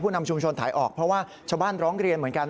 นำชุมชนถ่ายออกเพราะว่าชาวบ้านร้องเรียนเหมือนกัน